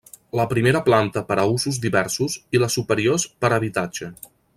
La primera planta per a usos diversos i les superiors per a habitatge.